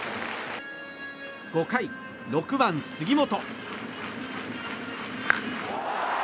５回、６番、杉本。